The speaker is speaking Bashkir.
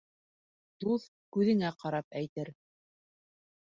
Дуҫ күҙеңә ҡарап әйтер